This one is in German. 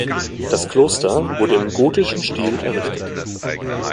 Das Kloster wurde im gotischen Stil errichtet.